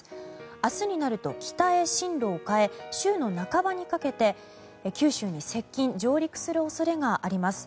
明日になると北へ進路を変え週の半ばにかけて九州に接近・上陸する恐れがあります。